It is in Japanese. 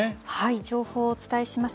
情報をお伝えします。